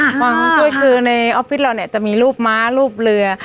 ฮวงจุ้ยคือในออฟฟิศเราจะมีรูปม้ารูปเรือ